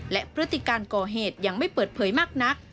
และพฤติการก่อเหตุยังไม่เปิดเผยมากนัก